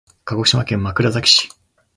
鹿児島県枕崎市